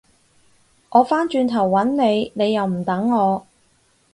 我返轉頭搵你，你又唔等我